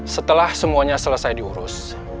setelah semuanya selesai diurus